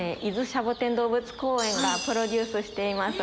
シャボテン動物公園がプロデュースしています